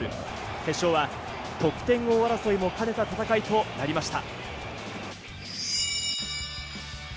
決勝は得点王争いをかけた戦いとなりました。